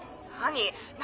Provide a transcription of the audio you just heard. ☎何？